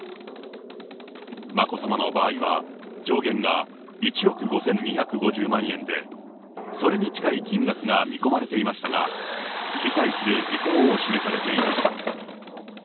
眞子さまの場合は上限が１億５２５０万円で、それに近い金額が見込まれていましたが、辞退する意向を示されていました。